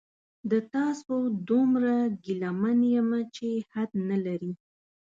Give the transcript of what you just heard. د تاسو دومره ګیله من یمه چې حد نلري